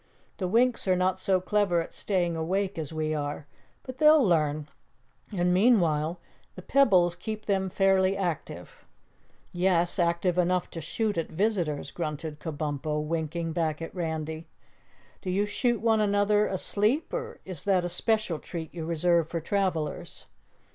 The Winks are not so clever at staying awake as we are, but they'll learn, and meanwhile the pebbles keep them fairly active." "Yes, active enough to shoot at visitors," grunted Kabumpo, winking back at Randy. "Do you shoot one another asleep or is that a special treat you reserve for travelers?"